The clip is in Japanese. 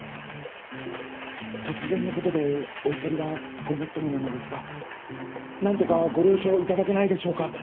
突然のことでお怒りはごもっともなのですが何とかご了承いただけないでしょうか？